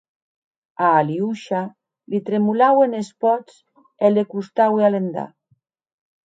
A Aliosha li tremolauen es pòts e li costaue alendar.